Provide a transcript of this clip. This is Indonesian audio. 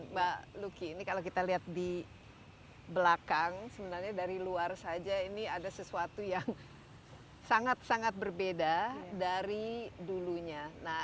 mbak lucky ini kalau kita lihat di belakang sebenarnya dari luar saja ini ada sesuatu yang sangat sangat berbeda dari dulunya